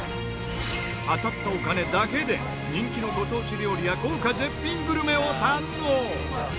当たったお金だけで人気のご当地料理や豪華絶品グルメを堪能！